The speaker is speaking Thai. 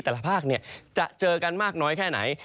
แต่ละภาคจะเจอกันมากน้อยแค่ไหน